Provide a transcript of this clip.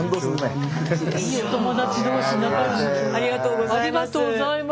ありがとうございます。